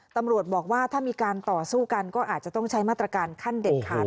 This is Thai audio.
ตำรวจบอกว่าถ้ามีการต่อสู้กันก็อาจจะต้องใช้มาตรการขั้นเด็ดขาด